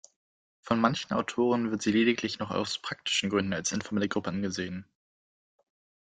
Von manchen Autoren wird sie lediglich noch aus praktischen Gründen als informelle Gruppe angesehen.